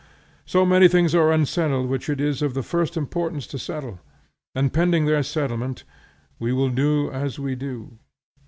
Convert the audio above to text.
So many things are unsettled which it is of the first importance to settle; and, pending their settlement, we will do as we do.